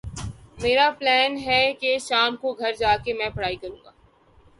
میرا پلین ہے کہ شام کو گھر جا کے میں پڑھائی کرو گا۔